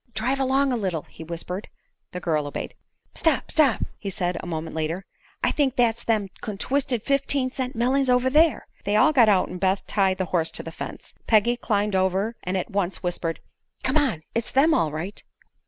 "Drive along a little," he whispered. The girl obeyed. "Stop stop!" said he, a moment later. "I think that's them contwisted fifteen cent mellings over there!" They all got out and Beth tied the horse to the fence. Peggy climbed over and at once whispered: "Come on! It's them, all right."